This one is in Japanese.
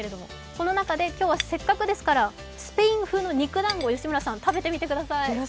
この中で今日はせっかくですからスペイン風の肉団子、吉村さん、食べてみてください。